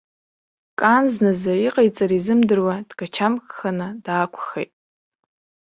Кан зназы иҟаиҵара изымдыруа дгачамкханы даақәхеит.